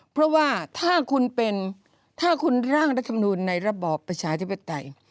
เพราะว่าถ้าคุณเป็นถ้าคุณร่างรัฐมนูลในระบอบประชาธิปไตย